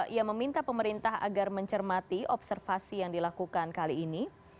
ia meminta pemerintah agar mencermati observasi yang dilakukan kali ini